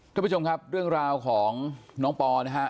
ท่านผู้ชมครับเรื่องราวของน้องปอนะฮะ